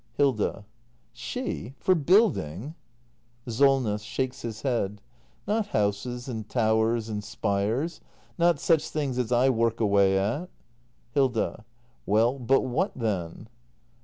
Hilda. She! For building? SOLNESS. [Shakes his head.] Not houses and towers, and spires — not such things as I work away at ■ Hilda. Well, but what then